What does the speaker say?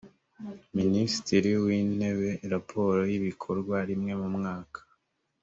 minisitiri wintebe raporo y ibikorwa rimwe mu mwaka